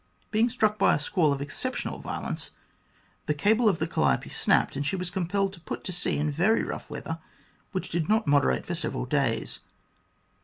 Being struck by a squall of exceptional violence, the cable of the Calliope snapped, and she was compelled to put to sea in very rough weather, which did not moderate for several days.